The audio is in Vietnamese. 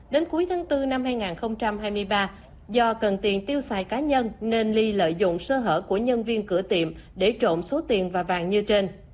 đến cuối tháng bốn năm hai nghìn hai mươi ba do cần tiền tiêu xài cá nhân nên ly lợi dụng sơ hở của nhân viên cửa tiệm để trộm số tiền và vàng như trên